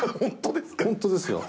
本当ですか？